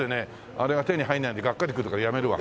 あれは手に入らないのでがっかりくるからやめるわ。